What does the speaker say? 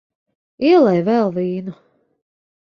Ielej vēl vīnu.